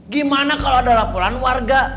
gimana kalau ada laporan warga